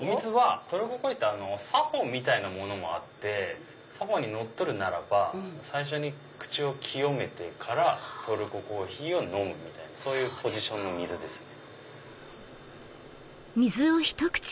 トルココーヒーって作法みたいなものもあって作法にのっとるならば最初に口を清めてからトルココーヒーを飲むみたいなそういうポジションの水ですね。